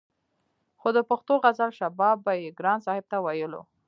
خو د پښتو غزل شباب به يې ګران صاحب ته ويلو